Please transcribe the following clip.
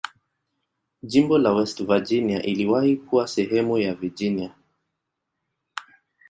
Jimbo la West Virginia iliwahi kuwa sehemu ya Virginia.